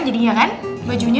iya kan bajunya